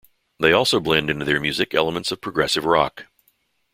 They also blend into their music elements of progressive rock.